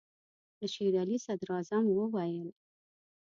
د شېر علي صدراعظم وویل.